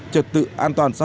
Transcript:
trật tự an toàn xã hội